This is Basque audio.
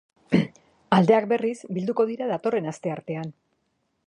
Aldeak berriz bilduko dira datorren asteartean.